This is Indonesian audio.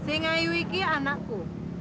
singa yuyuki anakku